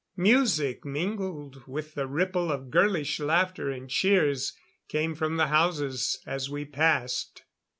Music, mingled with the ripple of girlish laughter and cheers, came from the houses as we passed.